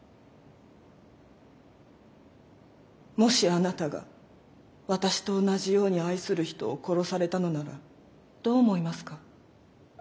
もしあなたが私と同じように愛する人を殺されたのならどう思いますか？